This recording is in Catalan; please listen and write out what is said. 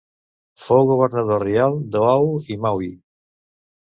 Fou governador reial d'Oahu i Maui.